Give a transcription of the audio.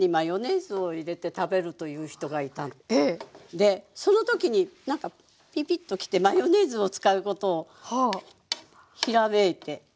でその時になんかピピッと来てマヨネーズを使うことをひらめいて。